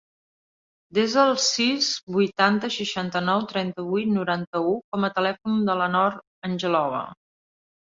Desa el sis, vuitanta, seixanta-nou, trenta-vuit, noranta-u com a telèfon de la Nor Angelova.